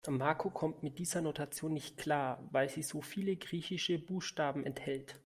Marco kommt mit dieser Notation nicht klar, weil sie so viele griechische Buchstaben enthält.